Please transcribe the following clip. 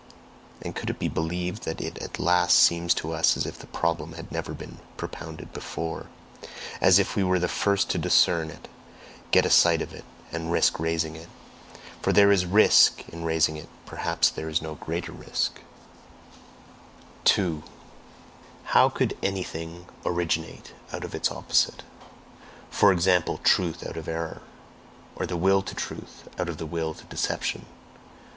And could it be believed that it at last seems to us as if the problem had never been propounded before, as if we were the first to discern it, get a sight of it, and RISK RAISING it? For there is risk in raising it, perhaps there is no greater risk. 2. "HOW COULD anything originate out of its opposite? For example, truth out of error? or the Will to Truth out of the will to deception?